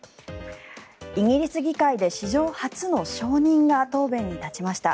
イギリス議会で史上初の証人が答弁に立ちました。